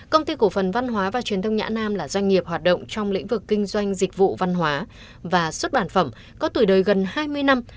công ty cổ phần văn hóa và truyền thông nhã nam là doanh nghiệp hoạt động trong lĩnh vực kinh doanh dịch vụ văn hóa và xuất bản phẩm có tuổi đời gần hai mươi năm